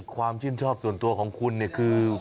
ความชื่นชอบส่วนตัวของคุณเนี่ยคือ